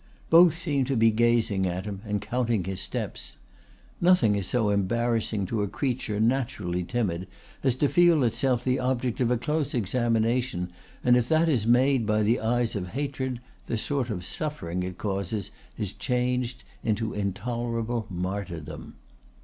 Both seemed to be gazing at him and counting his steps. Nothing is so embarrassing to a creature naturally timid as to feel itself the object of a close examination, and if that is made by the eyes of hatred, the sort of suffering it causes is changed into intolerable martyrdom.